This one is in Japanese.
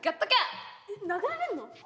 えっ殴られるの？